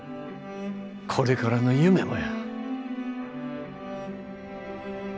これからの夢もや。